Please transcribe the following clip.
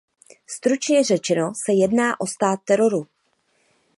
Stručně řečeno se jedná o stát teroru.